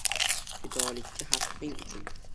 Fidolikka xalqing uchun